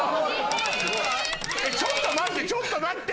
ちょっと待ってちょっと待って。